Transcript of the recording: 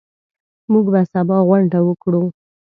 موږ به سبا غونډه وکړو.